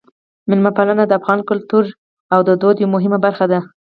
میلمه پالنه د افغاني کلتور او دود یوه مهمه برخه ده.